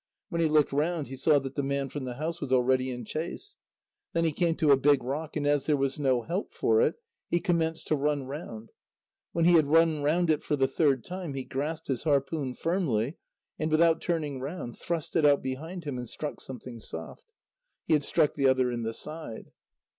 When he looked round, he saw that the man from the house was already in chase. Then he came to a big rock, and as there was no help for it, he commenced to run round. When he had run round it for the third time, he grasped his harpoon firmly, and without turning round, thrust it out behind him, and struck something soft. He had struck the other in the side.